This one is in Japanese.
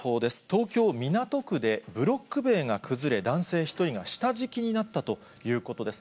東京・港区で、ブロック塀が崩れ、男性１人が下敷きになったということです。